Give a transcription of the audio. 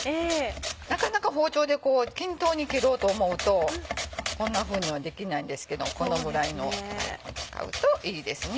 なかなか包丁で均等に切ろうと思うとこんなふうにはできないんですけどこのぐらいのを使うといいですね。